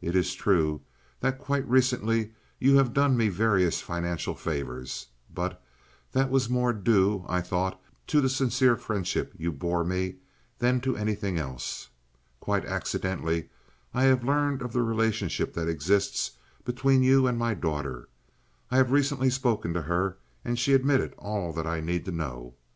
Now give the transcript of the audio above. It is true that quite recently you have done me various financial favors, but that was more due, I thought, to the sincere friendship you bore me than to anything else. Quite accidentally I have learned of the relationship that exists between you and my daughter. I have recently spoken to her, and she admitted all that I need to know.